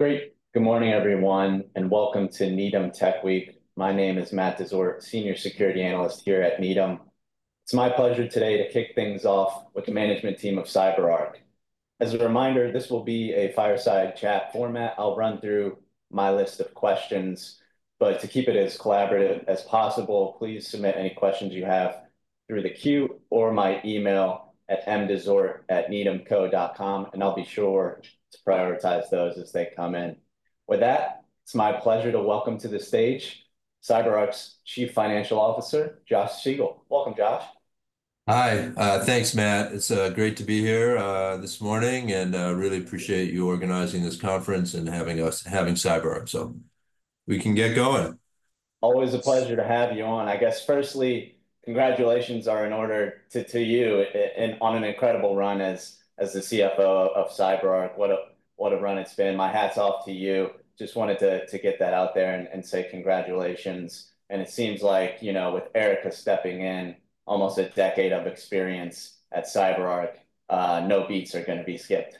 Great. Good morning, everyone, and welcome to Needham Tech Week. My name is Matt Dezort, Senior Security Analyst here at Needham. It's my pleasure today to kick things off with the management team of CyberArk. As a reminder, this will be a fireside chat format. I'll run through my list of questions, but to keep it as collaborative as possible, please submit any questions you have through the queue or my email at mdezort@needhamco.com, and I'll be sure to prioritize those as they come in. With that, it's my pleasure to welcome to the stage CyberArk's Chief Financial Officer, Josh Siegel. Welcome, Josh. Hi. Thanks, Matt. It's great to be here this morning and really appreciate you organizing this conference and having us having CyberArk. So we can get going. Always a pleasure to have you on. I guess, firstly, congratulations are in order to you and on an incredible run as the CFO of CyberArk. What a run it's been. My hat's off to you. Just wanted to get that out there and say congratulations. And it seems like, you know, with Erica stepping in, almost a decade of experience at CyberArk, no beats are going to be skipped.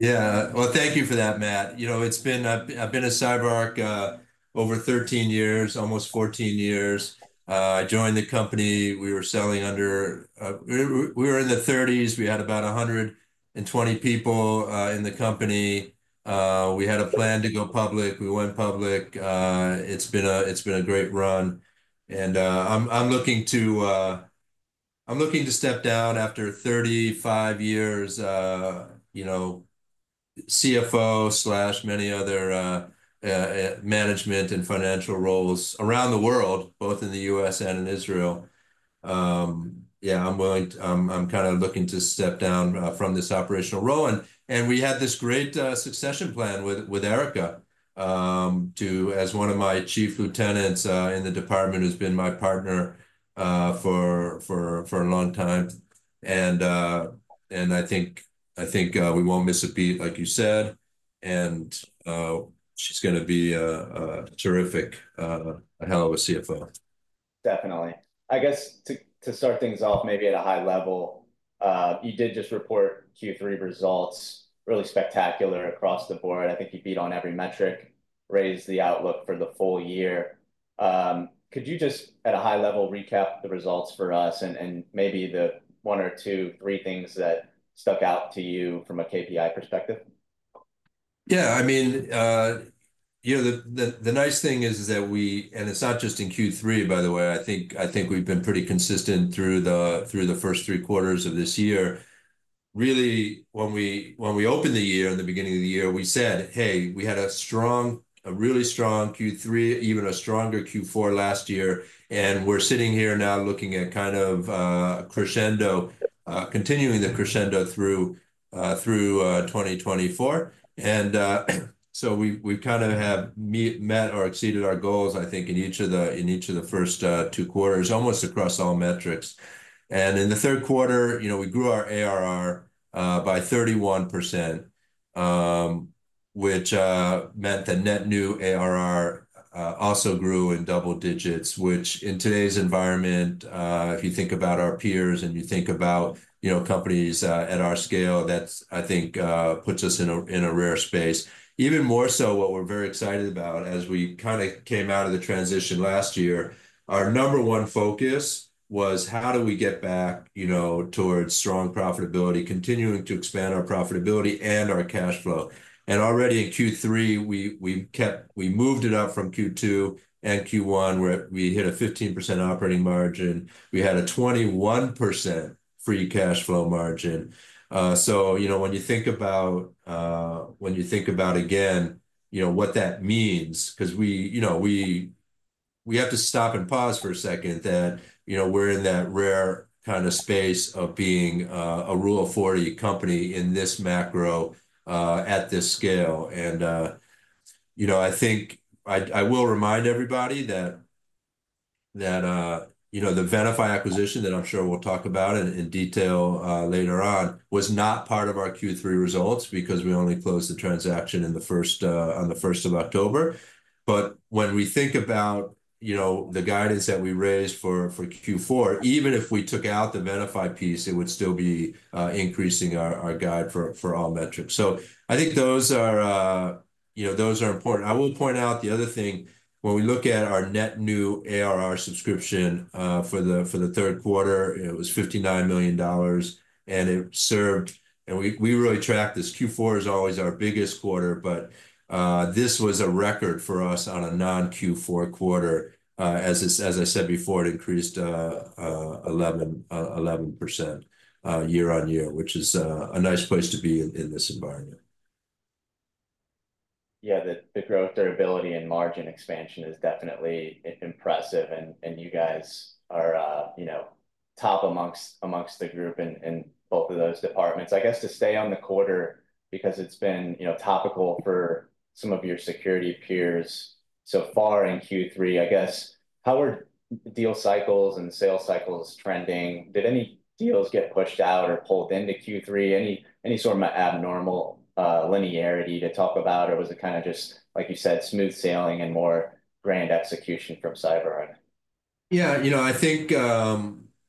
Yeah. Well, thank you for that, Matt. You know, it's been. I've been at CyberArk over 13 years, almost 14 years. I joined the company. We were selling under. We were in the 30s. We had about 120 people in the company. We had a plan to go public. We went public. It's been a great run. And I'm looking to step down after 35 years, you know, CFO slash many other management and financial roles around the world, both in the U.S. and in Israel. Yeah, I'm willing to. I'm kind of looking to step down from this operational role. And we had this great succession plan with Erica, as one of my chief lieutenants in the department, who's been my partner for a long time. And I think we won't miss a beat, like you said. She's going to be terrific, a hell of a CFO. Definitely. I guess to start things off, maybe at a high level, you did just report Q3 results really spectacular across the board. I think you beat on every metric, raised the outlook for the full year. Could you just, at a high level, recap the results for us and maybe the one or two, three things that stuck out to you from a KPI perspective? Yeah. I mean, you know, the nice thing is that we and it's not just in Q3, by the way. I think we've been pretty consistent through the first three quarters of this year. Really, when we opened the year in the beginning of the year, we said, hey, we had a strong, a really strong Q3, even a stronger Q4 last year. And we're sitting here now looking at kind of a crescendo, continuing the crescendo through 2024. And so we kind of have met or exceeded our goals, I think, in each of the first two quarters, almost across all metrics. And in the third quarter, you know, we grew our ARR by 31%, which meant the net new ARR also grew in double digits, which in today's environment, if you think about our peers and you think about companies at our scale, that's, I think, puts us in a rare space. Even more so, what we're very excited about as we kind of came out of the transition last year, our number one focus was how do we get back towards strong profitability, continuing to expand our profitability and our cash flow. And already in Q3, we moved it up from Q2 and Q1, where we hit a 15% operating margin. We had a 21% free cash flow margin. So, you know, when you think about, again, you know, what that means, because we have to stop and pause for a second that, you know, we're in that rare kind of space of being a Rule of 40 company in this macro at this scale. And, you know, I think I will remind everybody that, you know, the Venafi acquisition that I'm sure we'll talk about in detail later on was not part of our Q3 results because we only closed the transaction on the 1st of October. But when we think about, you know, the guidance that we raised for Q4, even if we took out the Venafi piece, it would still be increasing our guide for all metrics. So I think those are important. I will point out the other thing. When we look at our net new ARR subscription for the third quarter, it was $59 million, and it served, and we really track this. Q4 is always our biggest quarter, but this was a record for us on a non-Q4 quarter. As I said before, it increased 11% YoY, which is a nice place to be in this environment. Yeah, the growth, variability, and margin expansion is definitely impressive, and you guys are, you know, top amongst the group in both of those departments. I guess to stay on the quarter, because it's been topical for some of your security peers so far in Q3, I guess, how were deal cycles and sales cycles trending? Did any deals get pushed out or pulled into Q3? Any sort of abnormal linearity to talk about? Or was it kind of just, like you said, smooth sailing and more grand execution from CyberArk? Yeah, you know, I think,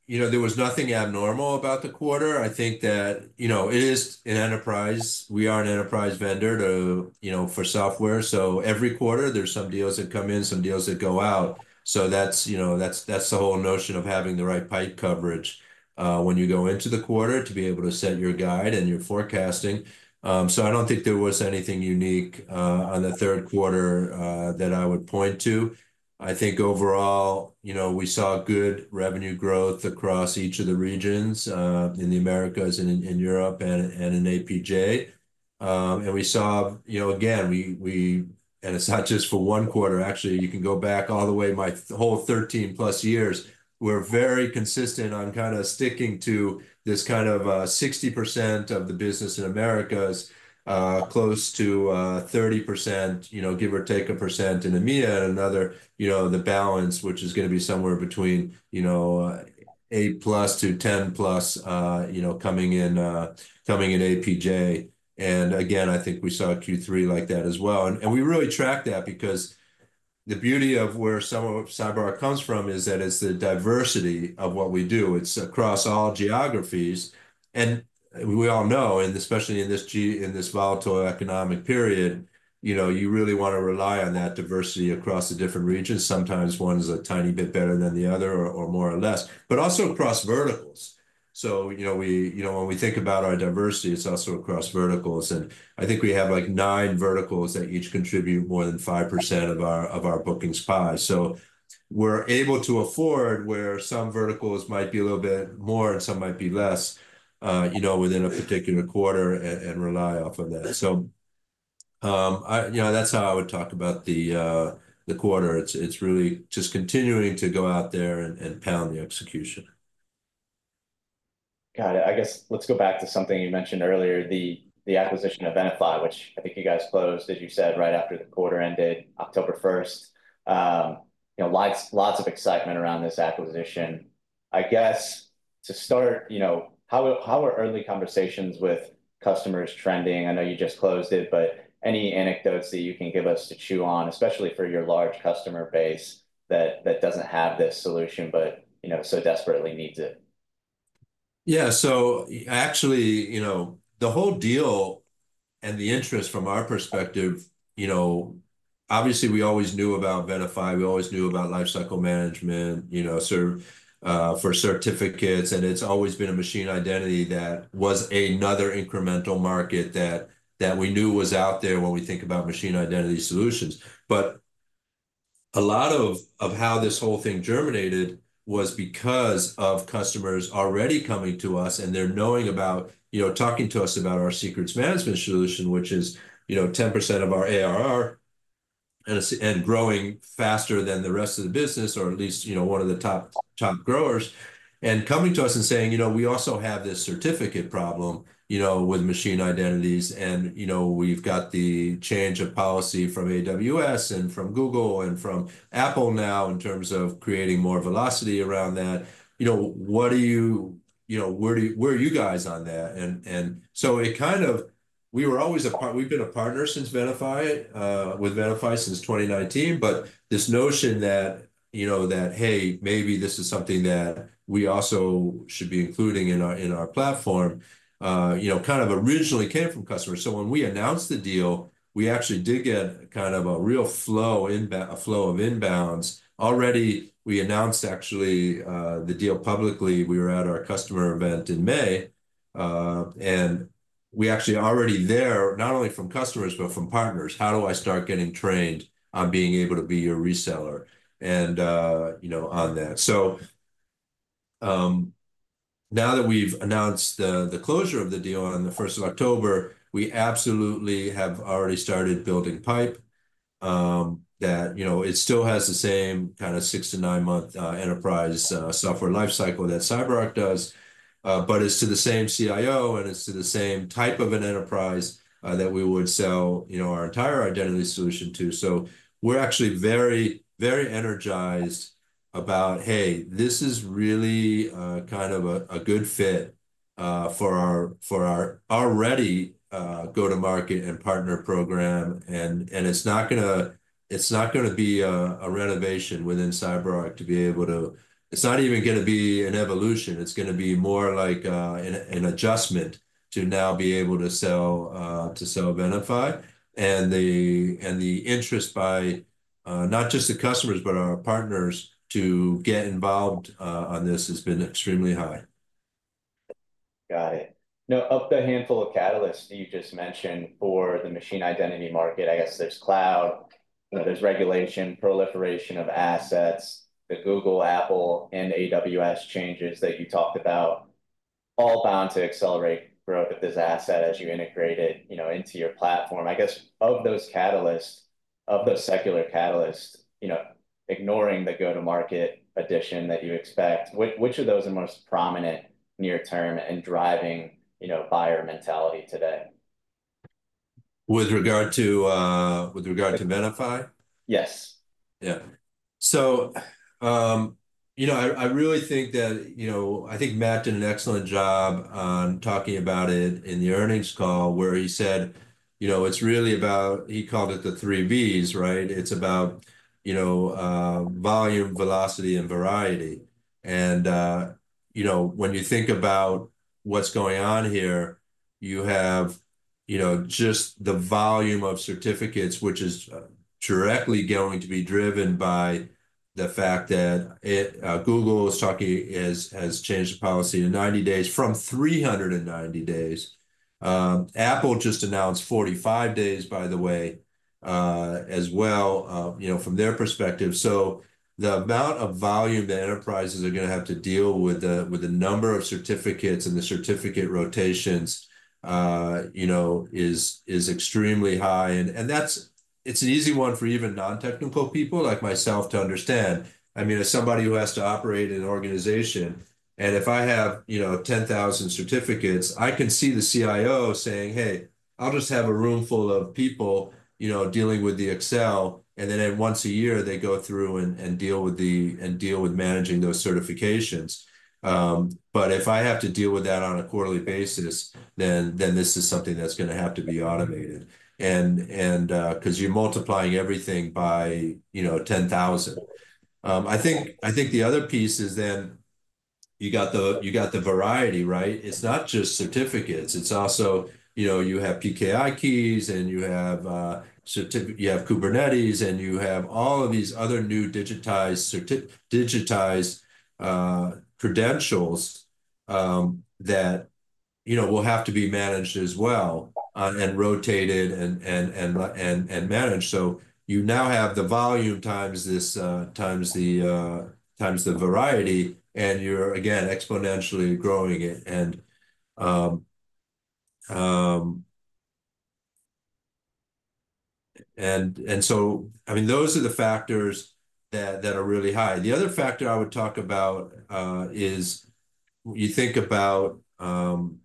you know, there was nothing abnormal about the quarter. I think that, you know, it is an enterprise. We are an enterprise vendor for software. So every quarter, there's some deals that come in, some deals that go out. So that's the whole notion of having the right pipe coverage when you go into the quarter to be able to set your guide and your forecasting. So I don't think there was anything unique on the third quarter that I would point to. I think overall, you know, we saw good revenue growth across each of the regions in the Americas and in Europe and in APJ. And we saw, you know, again, we and it's not just for one quarter. Actually, you can go back all the way my whole 13+ years. We're very consistent on kind of sticking to this kind of 60% of the business in Americas, close to 30%, you know, give or take 1% in EMEA and another, you know, the balance, which is going to be somewhere between, you know, 8+ to 10+, you know, coming in APJ, and again, I think we saw Q3 like that as well, and we really track that because the beauty of where CyberArk comes from is that it's the diversity of what we do. It's across all geographies, and we all know, and especially in this volatile economic period, you know, you really want to rely on that diversity across the different regions. Sometimes one is a tiny bit better than the other or more or less, but also across verticals, so you know, when we think about our diversity, it's also across verticals. And I think we have like nine verticals that each contribute more than 5% of our bookings pie. So we're able to afford where some verticals might be a little bit more and some might be less, you know, within a particular quarter and rely off of that. So, you know, that's how I would talk about the quarter. It's really just continuing to go out there and pound the execution. Got it. I guess let's go back to something you mentioned earlier, the acquisition of Venafi, which I think you guys closed, as you said, right after the quarter ended, October 1st. You know, lots of excitement around this acquisition. I guess to start, you know, how are early conversations with customers trending? I know you just closed it, but any anecdotes that you can give us to chew on, especially for your large customer base that doesn't have this solution but, you know, so desperately needs it? Yeah. So actually, you know, the whole deal and the interest from our perspective, you know, obviously we always knew about Venafi. We always knew about lifecycle management, you know, for certificates. And it's always been a machine identity that was another incremental market that we knew was out there when we think about machine identity solutions. But a lot of how this whole thing germinated was because of customers already coming to us and they're knowing about, you know, talking to us about our secrets management solution, which is, you know, 10% of our ARR and growing faster than the rest of the business, or at least, you know, one of the top growers, and coming to us and saying, you know, we also have this certificate problem, you know, with machine identities. You know, we've got the change of policy from AWS and from Google and from Apple now in terms of creating more velocity around that. You know, what are you, you know, where are you guys on that? So it kind of, we were always a part, we've been a partner since Venafi, with Venafi since 2019, but this notion that, you know, that, hey, maybe this is something that we also should be including in our platform, you know, kind of originally came from customers. So when we announced the deal, we actually did get kind of a real flow of inbounds. Already, we announced actually the deal publicly. We were at our customer event in May. And we actually already there, not only from customers, but from partners, how do I start getting trained on being able to be your reseller and, you know, on that. Now that we've announced the closure of the deal on the 1st of October, we absolutely have already started building pipe that, you know, it still has the same kind of six- to nine-month enterprise software lifecycle that CyberArk does, but it's to the same CIO and it's to the same type of an enterprise that we would sell, you know, our entire identity solution to. So we're actually very, very energized about, hey, this is really kind of a good fit for our already go-to-market and partner program. And it's not going to be a renovation within CyberArk to be able to, it's not even going to be an evolution. It's going to be more like an adjustment to now be able to sell Venafi. And the interest by not just the customers, but our partners to get involved on this has been extremely high. Got it. Now, of the handful of catalysts you just mentioned for the machine identity market, I guess there's cloud, there's regulation, proliferation of assets, the Google, Apple, and AWS changes that you talked about, all bound to accelerate growth of this asset as you integrate it, you know, into your platform. I guess of those catalysts, of those secular catalysts, you know, ignoring the go-to-market addition that you expect, which of those are most prominent near-term and driving, you know, buyer mentality today? With regard to Venafi? Yes. Yeah. So, you know, I really think that, you know, I think Matt did an excellent job on talking about it in the earnings call where he said, you know, it's really about, he called it the three V's, right? It's about, you know, volume, velocity, and variety. And, you know, when you think about what's going on here, you have, you know, just the volume of certificates, which is directly going to be driven by the fact that Google has changed the policy to 90 days from 390 days. Apple just announced 45 days, by the way, as well, you know, from their perspective. So the amount of volume that enterprises are going to have to deal with, the number of certificates and the certificate rotations, you know, is extremely high. And that's, it's an easy one for even non-technical people like myself to understand. I mean, as somebody who has to operate an organization, and if I have, you know, 10,000 certificates, I can see the CIO saying, "Hey, I'll just have a room full of people, you know, dealing with the Excel." And then once a year, they go through and deal with managing those certifications. But if I have to deal with that on a quarterly basis, then this is something that's going to have to be automated. And because you're multiplying everything by, you know, 10,000. I think the other piece is then you got the variety, right? It's not just certificates. It's also, you know, you have PKI keys and you have Kubernetes and you have all of these other new digitized credentials that, you know, will have to be managed as well and rotated and managed. So you now have the volume times the variety and you're, again, exponentially growing it. And so, I mean, those are the factors that are really high. The other factor I would talk about is you think about, you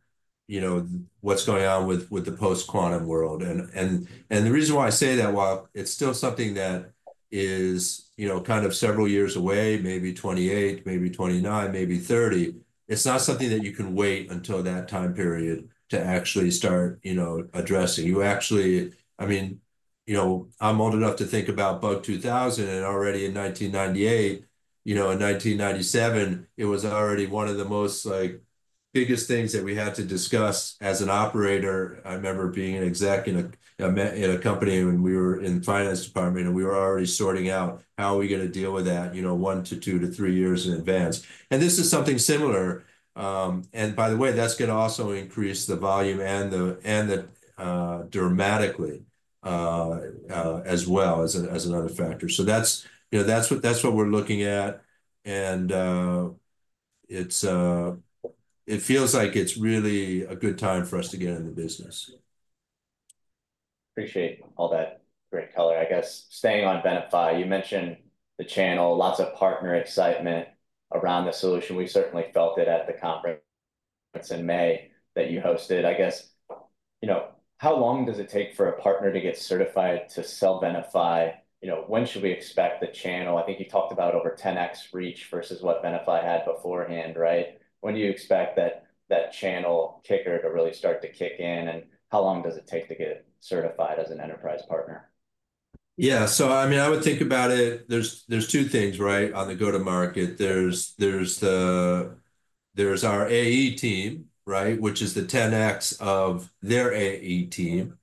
know, what's going on with the post-quantum world. And the reason why I say that, while it's still something that is, you know, kind of several years away, maybe 2028, maybe 2029, maybe 2030, it's not something that you can wait until that time period to actually start, you know, addressing. You actually, I mean, you know, I'm old enough to think about Bug 2000 and already in 1998, you know, in 1997, it was already one of the most, like, biggest things that we had to discuss as an operator. I remember being an exec in a company when we were in the finance department, and we were already sorting out how are we going to deal with that, you know, one to two to three years in advance, and this is something similar. And by the way, that's going to also increase the volume dramatically, as well as another factor, so that's what we're looking at, and it feels like it's really a good time for us to get in the business. Appreciate all that great color. I guess staying on Venafi, you mentioned the channel, lots of partner excitement around the solution. We certainly felt it at the conference in May that you hosted. I guess, you know, how long does it take for a partner to get certified to sell Venafi? You know, when should we expect the channel? I think you talked about over 10x reach versus what Venafi had beforehand, right? When do you expect that channel kicker to really start to kick in? And how long does it take to get certified as an enterprise partner? Yeah. So I mean, I would think about it, there's two things, right? On the go-to-market, there's our AE team, right, which is the 10x of their AE team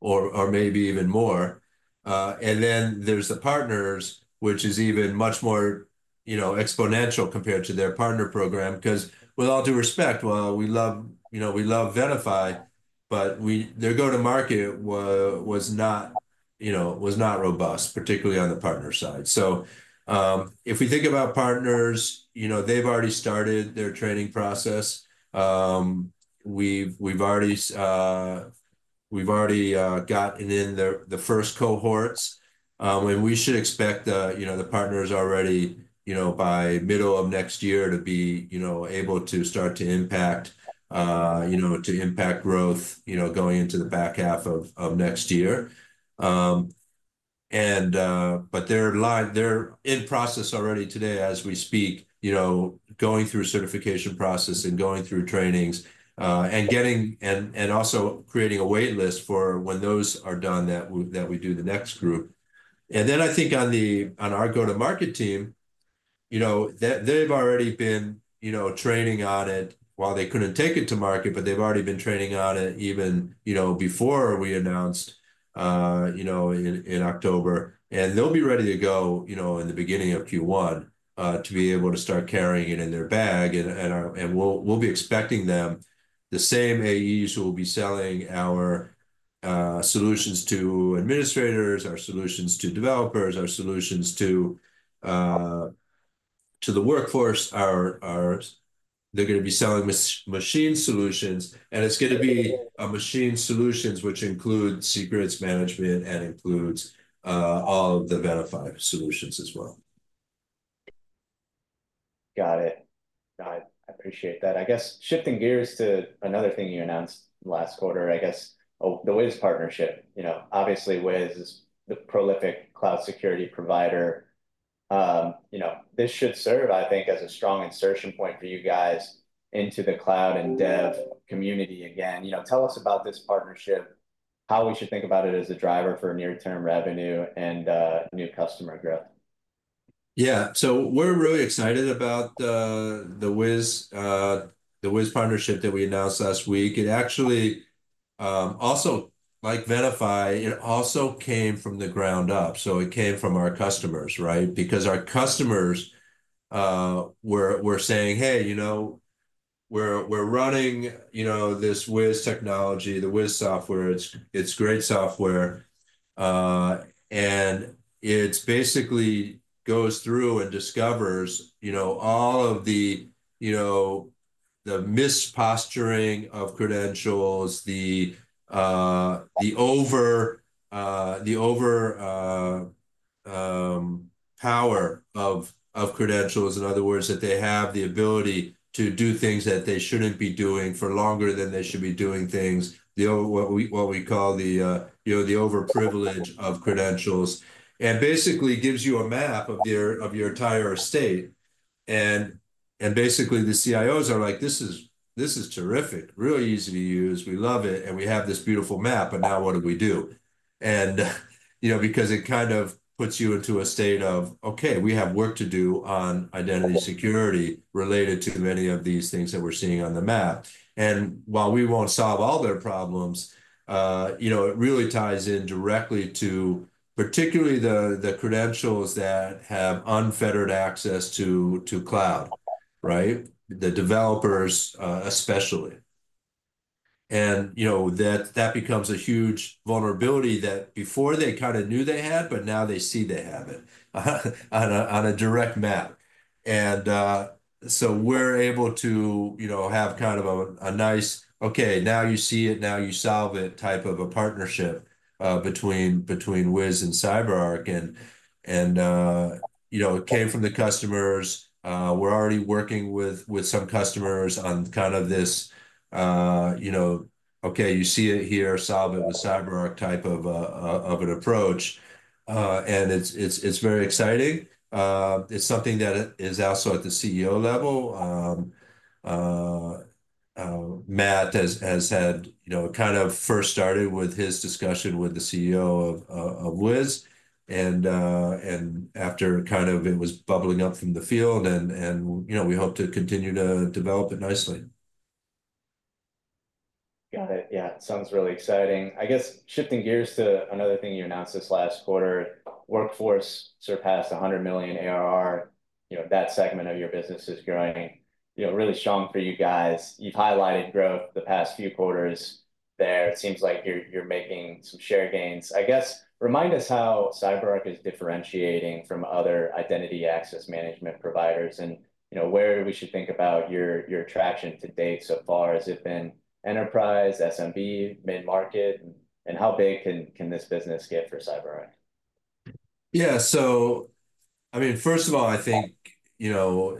or maybe even more. And then there's the partners, which is even much more, you know, exponential compared to their partner program. Because with all due respect, while we love, you know, we love Venafi, but their go-to-market was not, you know, was not robust, particularly on the partner side. So if we think about partners, you know, they've already started their training process. We've already gotten in the first cohorts. And we should expect, you know, the partners already, you know, by middle of next year to be, you know, able to start to impact, you know, to impact growth, you know, going into the back half of next year. They're in process already today as we speak, you know, going through certification process and going through trainings and getting and also creating a waitlist for when those are done that we do the next group. Then I think on our go-to-market team, you know, they've already been, you know, training on it while they couldn't take it to market, but they've already been training on it even, you know, before we announced, you know, in October. They'll be ready to go, you know, in the beginning of Q1 to be able to start carrying it in their bag. We'll be expecting them the same AEs who will be selling our solutions to administrators, our solutions to developers, our solutions to the workforce. They're going to be selling machine solutions. And it's going to be machine solutions, which includes secrets management and includes all of the Venafi solutions as well. Got it. Got it. I appreciate that. I guess shifting gears to another thing you announced last quarter, I guess, the Wiz partnership, you know, obviously Wiz is the prolific cloud security provider. You know, this should serve, I think, as a strong insertion point for you guys into the cloud and dev community again. You know, tell us about this partnership, how we should think about it as a driver for near-term revenue and new customer growth. Yeah. So we're really excited about the Wiz partnership that we announced last week. It actually also, like Venafi, it also came from the ground up. So it came from our customers, right? Because our customers were saying, hey, you know, we're running, you know, this Wiz technology, the Wiz software. It's great software. And it basically goes through and discovers, you know, all of the, you know, the misposturing of credentials, the overpower of credentials. In other words, that they have the ability to do things that they shouldn't be doing for longer than they should be doing things, what we call the, you know, the overprivilege of credentials. And basically gives you a map of your entire estate. And basically the CIOs are like, this is terrific, really easy to use. We love it. And we have this beautiful map. And now what do we do? You know, because it kind of puts you into a state of, okay, we have work to do on identity security related to many of these things that we're seeing on the map. While we won't solve all their problems, you know, it really ties in directly to particularly the credentials that have unfettered access to cloud, right? The developers especially. You know, that becomes a huge vulnerability that before they kind of knew they had, but now they see they have it on a direct map. We're able to, you know, have kind of a nice, okay, now you see it, now you solve it type of a partnership between Wiz and CyberArk. You know, it came from the customers. We're already working with some customers on kind of this, you know, okay, you see it here, solve it with CyberArk type of an approach, and it's very exciting. It's something that is also at the CEO level. Matt has had, you know, kind of first started with his discussion with the CEO of Wiz, and after kind of it was bubbling up from the field and, you know, we hope to continue to develop it nicely. Got it. Yeah. Sounds really exciting. I guess shifting gears to another thing you announced this last quarter, workforce surpassed 100 million ARR. You know, that segment of your business is growing, you know, really strong for you guys. You've highlighted growth the past few quarters there. It seems like you're making some share gains. I guess remind us how CyberArk is differentiating from other identity access management providers and, you know, where we should think about your traction to date so far. Has it been enterprise, SMB, mid-market, and how big can this business get for CyberArk? Yeah. So I mean, first of all, I think, you know,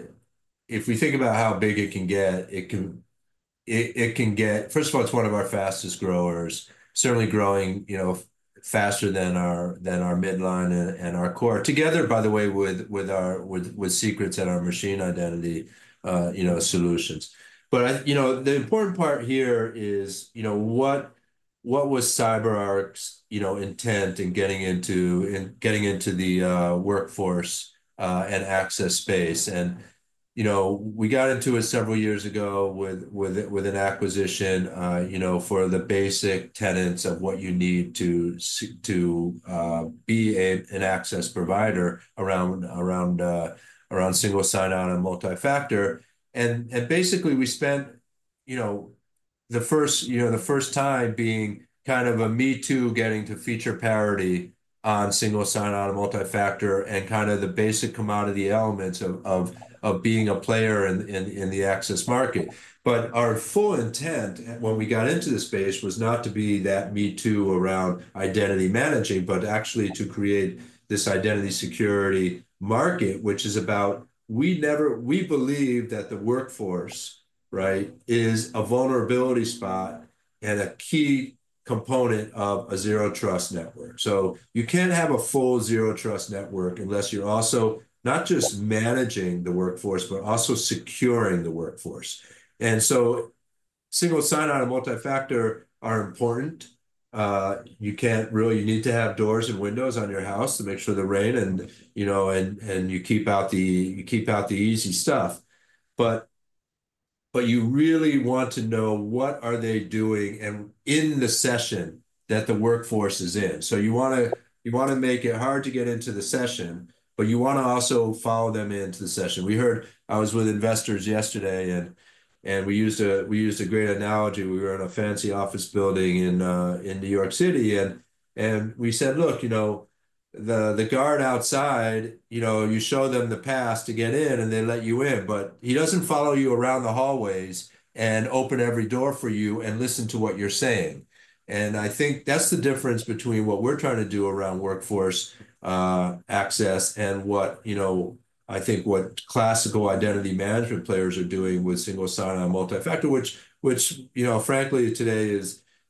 if we think about how big it can get, it can get, first of all, it's one of our fastest growers, certainly growing, you know, faster than our midline and our core together, by the way, with secrets and our machine identity, you know, solutions. But, you know, the important part here is, you know, what was CyberArk's, you know, intent in getting into the workforce and access space. And, you know, we got into it several years ago with an acquisition, you know, for the basic tenets of what you need to be an access provider around single sign-on and multi-factor. And basically we spent, you know, the first, you know, the first time being kind of a me too getting to feature parity on single sign-on and multi-factor and kind of the basic commodity elements of being a player in the access market. But our full intent when we got into this space was not to be that me too around identity managing, but actually to create this identity security market, which is about we believe that the workforce, right, is a vulnerability spot and a key component of a zero trust network. So you can't have a full zero trust network unless you're also not just managing the workforce, but also securing the workforce. And so single sign-on and multi-factor are important. You can't really. You need to have doors and windows on your house to make sure the rain and, you know, and you keep out the easy stuff. But you really want to know what they are doing and in the session that the workforce is in. So you want to make it hard to get into the session, but you want to also follow them into the session. We heard. I was with investors yesterday and we used a great analogy. We were in a fancy office building in New York City and we said, look, you know, the guard outside, you know, you show them the pass to get in and they let you in, but he doesn't follow you around the hallways and open every door for you and listen to what you're saying. And I think that's the difference between what we're trying to do around workforce access and what, you know, I think what classical identity management players are doing with single sign-on and multi-factor, which, you know, frankly today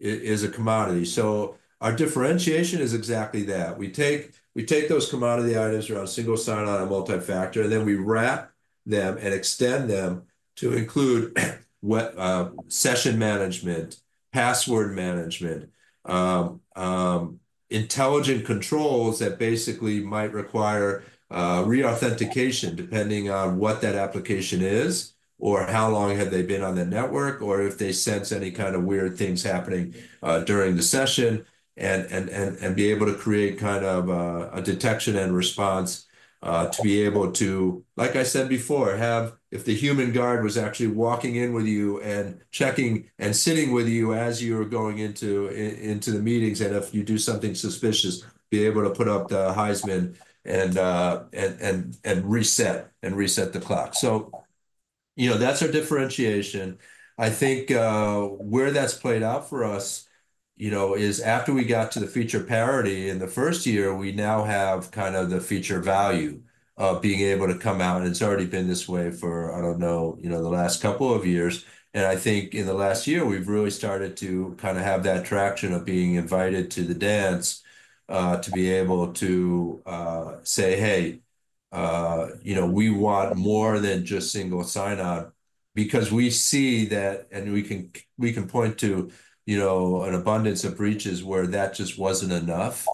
is a commodity. So our differentiation is exactly that. We take those commodity items around single sign-on and multi-factor, and then we wrap them and extend them to include session management, password management, intelligent controls that basically might require reauthentication depending on what that application is or how long have they been on the network or if they sense any kind of weird things happening during the session and be able to create kind of a detection and response to be able to, like I said before, have if the human guard was actually walking in with you and checking and sitting with you as you were going into the meetings and if you do something suspicious, be able to put up the Heisman and reset the clock. So, you know, that's our differentiation. I think where that's played out for us, you know, is after we got to the feature parity in the first year, we now have kind of the feature value of being able to come out. And it's already been this way for, I don't know, you know, the last couple of years. And I think in the last year, we've really started to kind of have that traction of being invited to the dance to be able to say, hey, you know, we want more than just single sign-on because we see that and we can point to, you know, an abundance of breaches where that just wasn't enough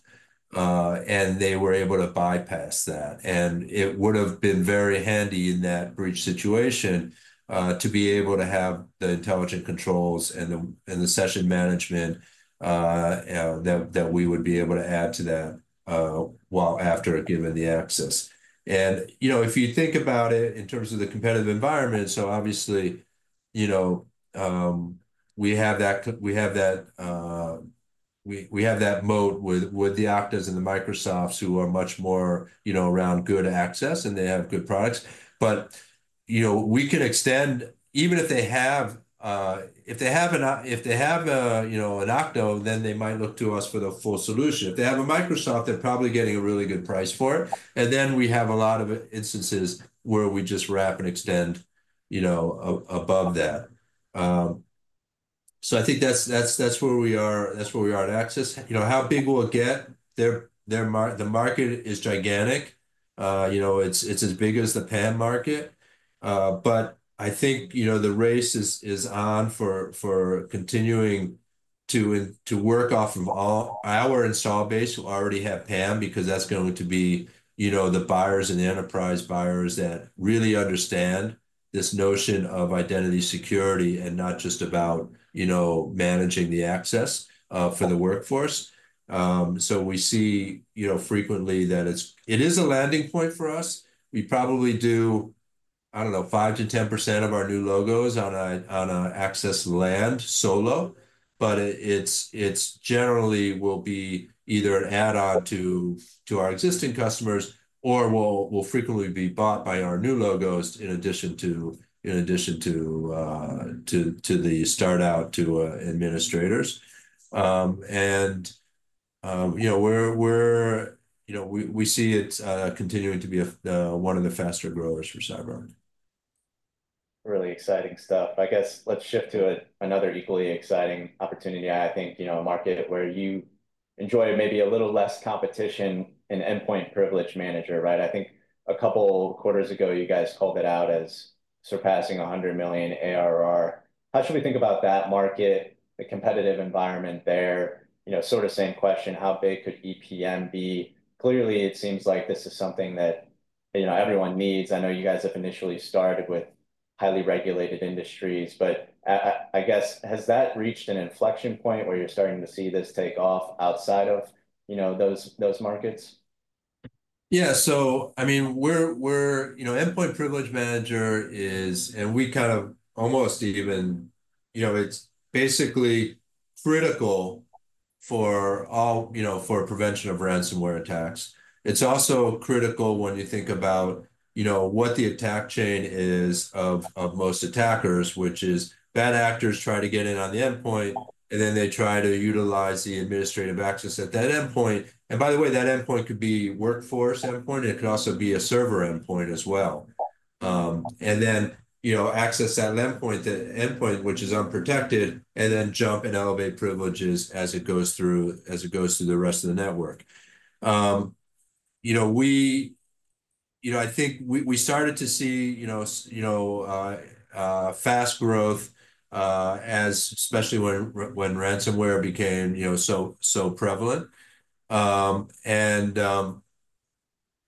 and they were able to bypass that. It would have been very handy in that breach situation to be able to have the intelligent controls and the session management that we would be able to add to that while after given the access. You know, if you think about it in terms of the competitive environment, so obviously, you know, we have that moat with the Oktas and the Microsofts who are much more, you know, around good access and they have good products. But, you know, we can extend even if they have, if they have an Okta, then they might look to us for the full solution. If they have a Microsoft, they're probably getting a really good price for it. And then we have a lot of instances where we just wrap and extend, you know, above that. So I think that's where we are, that's where we are at access. You know, how big will it get? The market is gigantic. You know, it's as big as the PAM market. But I think, you know, the race is on for continuing to work off of our install base who already have PAM because that's going to be, you know, the buyers and the enterprise buyers that really understand this notion of identity security and not just about, you know, managing the access for the workforce. So we see, you know, frequently that it is a landing point for us. We probably do, I don't know, 5%-10% of our new logos on an IAM land solo, but it generally will be either an add-on to our existing customers or will frequently be bought by our new logos in addition to starting with admin. You know, we're, you know, we see it continuing to be one of the faster growers for CyberArk. Really exciting stuff. I guess let's shift to another equally exciting opportunity. I think, you know, a market where you enjoy maybe a little less competition and Endpoint Privilege Manager, right? I think a couple quarters ago, you guys called it out as surpassing $100 million ARR. How should we think about that market, the competitive environment there? You know, sort of same question, how big could EPM be? Clearly, it seems like this is something that, you know, everyone needs. I know you guys have initially started with highly regulated industries, but I guess has that reached an inflection point where you're starting to see this take off outside of, you know, those markets? Yeah. So, I mean, we're, you know, Endpoint Privilege Manager is, and we kind of almost even, you know, it's basically critical for all, you know, for prevention of ransomware attacks. It's also critical when you think about, you know, what the attack chain is of most attackers, which is bad actors try to get in on the endpoint and then they try to utilize the administrative access at that endpoint. And by the way, that endpoint could be workforce endpoint. It could also be a server endpoint as well. And then, you know, access that endpoint, which is unprotected, and then jump and elevate privileges as it goes through the rest of the network. You know, we, you know, I think we started to see, you know, fast growth as especially when ransomware became, you know, so prevalent.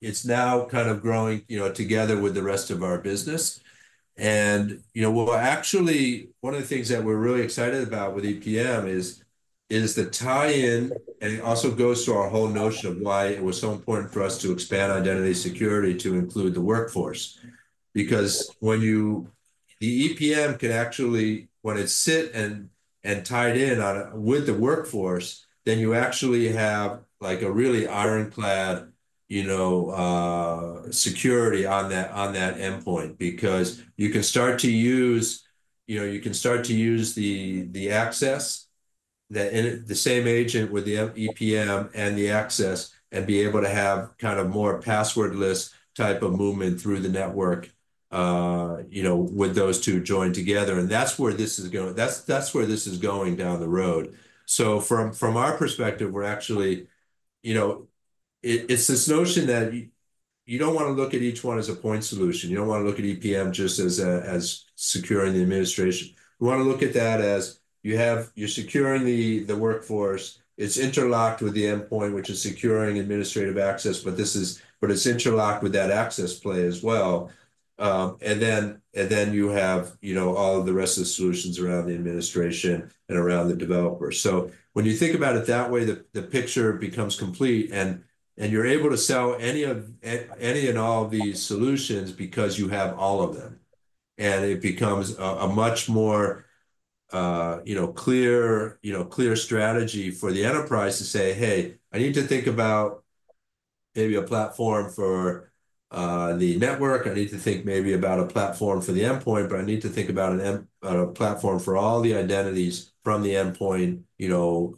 It's now kind of growing, you know, together with the rest of our business. You know, we'll actually, one of the things that we're really excited about with EPM is the tie-in, and it also goes to our whole notion of why it was so important for us to expand identity security to include the workforce. Because when you, the EPM can actually, when it's sit and tied in with the workforce, then you actually have like a really ironclad, you know, security on that endpoint because you can start to use, you know, you can start to use the access, the same agent with the EPM and the access and be able to have kind of more passwordless type of movement through the network, you know, with those two joined together. That's where this is going, that's where this is going down the road. From our perspective, we're actually, you know, it's this notion that you don't want to look at each one as a point solution. You don't want to look at EPM just as securing the administration. We want to look at that as you're securing the workforce. It's interlocked with the endpoint, which is securing administrative access, but it's interlocked with that access play as well. And then you have, you know, all of the rest of the solutions around the administration and around the developers. When you think about it that way, the picture becomes complete and you're able to sell any and all of these solutions because you have all of them. And it becomes a much more, you know, clear, you know, clear strategy for the enterprise to say, hey, I need to think about maybe a platform for the network. I need to think maybe about a platform for the endpoint, but I need to think about a platform for all the identities from the endpoint, you know,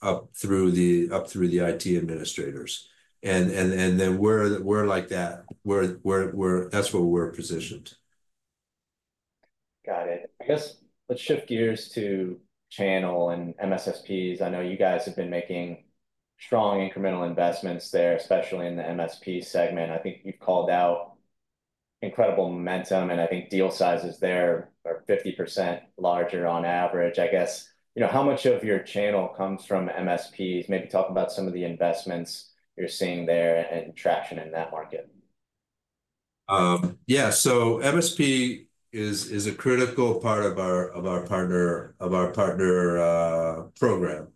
up through the IT administrators. And then we're like that. That's where we're positioned. Got it. I guess let's shift gears to channel and MSSPs. I know you guys have been making strong incremental investments there, especially in the MSP segment. I think you've called out incredible momentum and I think deal sizes there are 50% larger on average. I guess, you know, how much of your channel comes from MSPs? Maybe talk about some of the investments you're seeing there and traction in that market. Yeah. So MSP is a critical part of our partner program.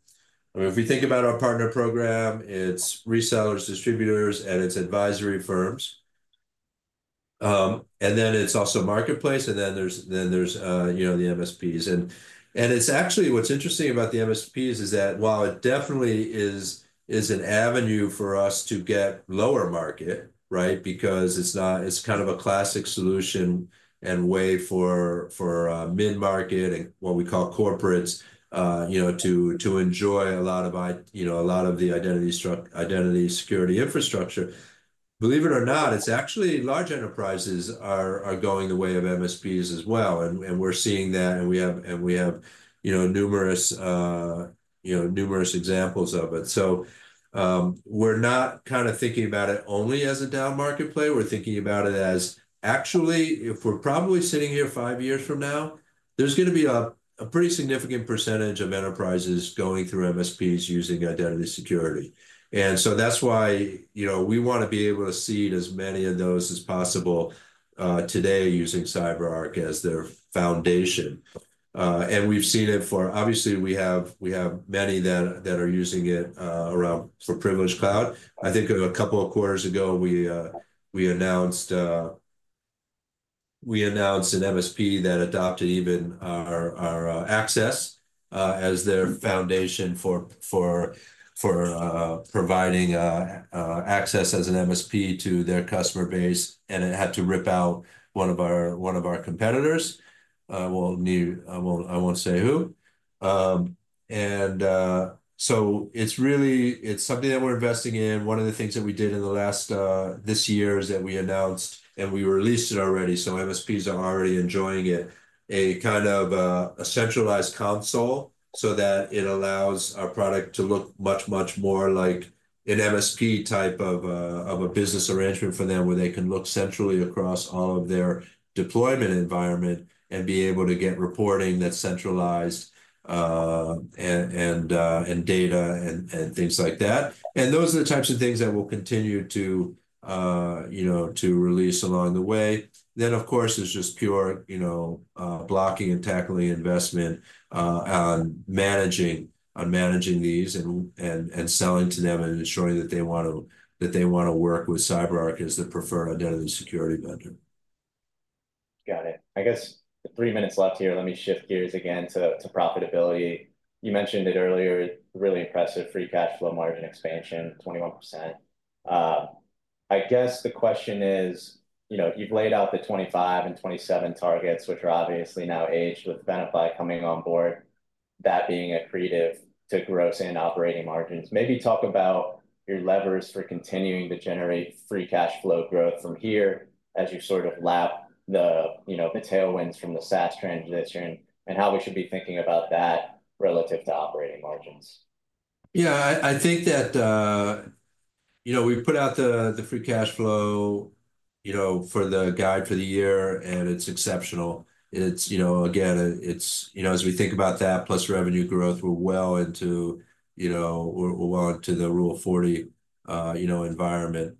I mean, if we think about our partner program, it's resellers, distributors, and it's advisory firms. And then it's also marketplace and then there's, you know, the MSPs. And it's actually what's interesting about the MSPs is that while it definitely is an avenue for us to get lower market, right? Because it's not, it's kind of a classic solution and way for mid-market and what we call corporates, you know, to enjoy a lot of, you know, a lot of the identity security infrastructure. Believe it or not, it's actually large enterprises are going the way of MSPs as well. And we're seeing that and we have, you know, numerous examples of it. So we're not kind of thinking about it only as a down-market play. We're thinking about it as actually, if we're probably sitting here five years from now, there's going to be a pretty significant percentage of enterprises going through MSPs using identity security. And so that's why, you know, we want to be able to see as many of those as possible today using CyberArk as their foundation. And we've seen it for, obviously we have many that are using it around for Privileged Cloud. I think a couple of quarters ago, we announced an MSP that adopted even our access as their foundation for providing access as an MSP to their customer base and it had to rip out one of our competitors. Well, I won't say who. And so it's really, it's something that we're investing in. One of the things that we did in the last, this year is that we announced and we released it already. So, MSPs are already enjoying it, a kind of a centralized console so that it allows our product to look much, much more like an MSP type of a business arrangement for them where they can look centrally across all of their deployment environment and be able to get reporting that's centralized and data and things like that. And those are the types of things that we'll continue to, you know, to release along the way. Then, of course, it's just pure, you know, blocking and tackling investment on managing these and selling to them and ensuring that they want to work with CyberArk as the preferred identity security vendor. Got it. I guess three minutes left here. Let me shift gears again to profitability. You mentioned it earlier, really impressive free cash flow margin expansion, 21%. I guess the question is, you know, you've laid out the 25 and 27 targets, which are obviously now aged with Venafi coming on board, that being accretive to gross and operating margins. Maybe talk about your levers for continuing to generate free cash flow growth from here as you sort of lap the, you know, the tailwinds from the SaaS transition and how we should be thinking about that relative to operating margins. Yeah, I think that, you know, we put out the free cash flow, you know, for the guide for the year and it's exceptional. It's, you know, again, it's, you know, as we think about that plus revenue growth, we're well into, you know, we're well into the Rule 40, you know, environment.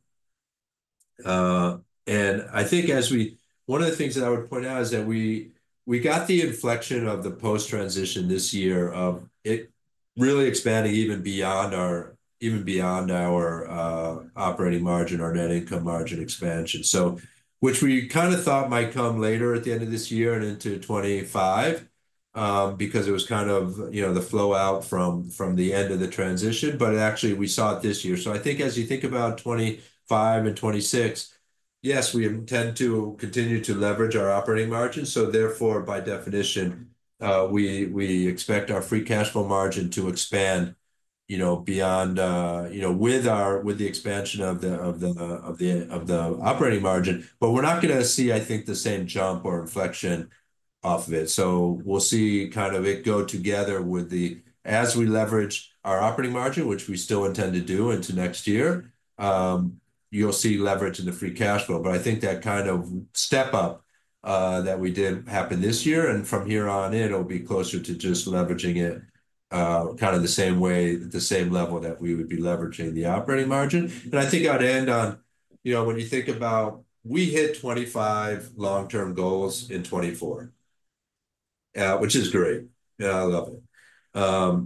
And I think as we, one of the things that I would point out is that we got the inflection of the post-transition this year of it really expanding even beyond our operating margin, our net income margin expansion. So, which we kind of thought might come later at the end of this year and into 2025 because it was kind of, you know, the flow out from the end of the transition, but actually we saw it this year. So I think as you think about 2025 and 2026, yes, we intend to continue to leverage our operating margin. So therefore, by definition, we expect our free cash flow margin to expand, you know, beyond, you know, with the expansion of the operating margin, but we're not going to see, I think, the same jump or inflection off of it. So we'll see kind of it go together with the, as we leverage our operating margin, which we still intend to do into next year, you'll see leverage in the free cash flow. But I think that kind of step up that we did happen this year and from here on in, it'll be closer to just leveraging it kind of the same way, the same level that we would be leveraging the operating margin. And I think I'd end on, you know, when you think about we hit 25 long-term goals in 2024, which is great. I love it.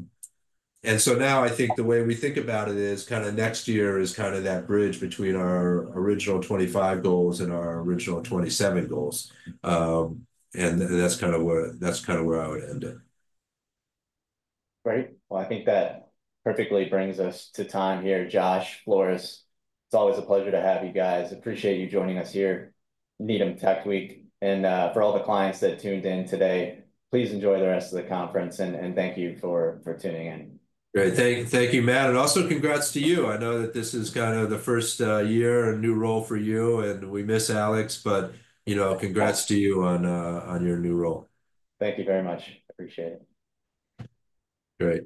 And so now I think the way we think about it is kind of next year is kind of that bridge between our original 2025 goals and our original 2027 goals. And that's kind of where I would end it. Great. I think that perfectly brings us to time here. Josh Siegel, it's always a pleasure to have you guys. Appreciate you joining us here at Needham Tech Week. For all the clients that tuned in today, please enjoy the rest of the conference and thank you for tuning in. Great. Thank you, Matt, and also congrats to you. I know that this is kind of the first year and new role for you and we miss Alex, but you know, congrats to you on your new role. Thank you very much. Appreciate it. Great.